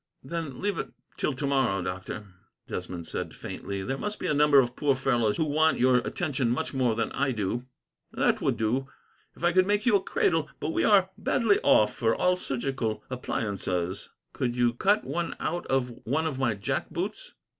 "Then leave it till tomorrow, doctor," Desmond said faintly. "There must be a number of poor fellows who want your attention much more than I do." "That would do, if I could make you a cradle, but we are badly off for all surgical appliances." "Could you cut one out of one of my jack boots?"